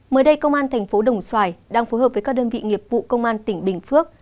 mới đây công an thành phố đồng xoài đang phối hợp với các đơn vị nghiệp vụ công an tỉnh bình phước